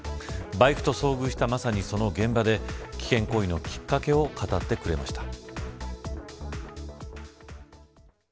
バイクと遭遇したまさにその現場で危険行為のきっかけを語ってくれました。